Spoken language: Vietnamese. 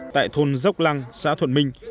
tại thôn dốc lăng xã thuận minh